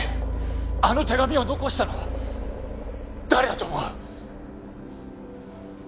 あの手紙を残したの誰だと思う？